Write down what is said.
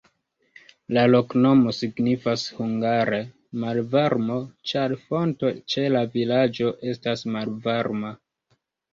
La loknomo signifas hungare malvarmo, ĉar fonto ĉe la vilaĝo estas malvarma.